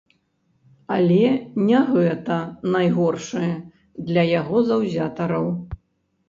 Але не гэта найгоршае для яго заўзятараў.